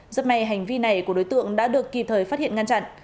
rất may hành vi này của đối tượng đã được kỳ thời phát hiện ngăn chặn